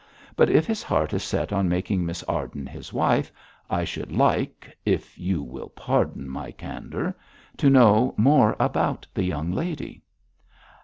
But if his heart is set on making Miss Arden his wife, I should like if you will pardon my candour to know more about the young lady.'